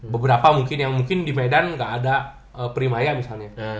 beberapa mungkin yang mungkin di medan nggak ada primaya misalnya